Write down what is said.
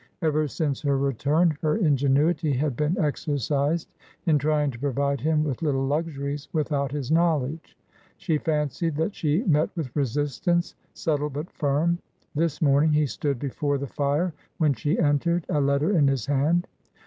Ever since her return her ingenuity had been exercised in trying to provide him with little luxuries without his knowledge. She fancied that she met with resistance, subtle but firm. This morning he stood be fore the fire when she entered, a letter in his hand.